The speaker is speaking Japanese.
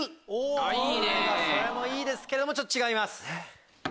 それもいいですけども違います。